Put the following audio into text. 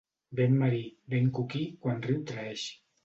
Vent marí, vent coquí, quan riu traeix.